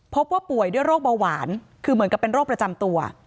พบว่าป่วยด้วยโรคเบาหวานคือเหมือนกับเป็นโรคประจำตัว